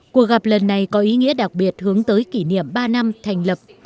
cuộc gặp lần này có ý nghĩa đặc biệt hướng tới kỷ niệm ba năm thành lập